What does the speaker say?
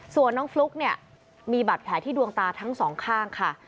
ส่วนน้องฟลุ๊กเนี่ยมีบาดแผลที่ดวงตาทั้งสองข้างค่ะ